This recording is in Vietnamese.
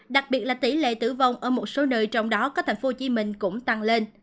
đặc biệt là tỷ lệ tử vong ở một số nơi trong đó có thành phố hồ chí minh cũng tăng lên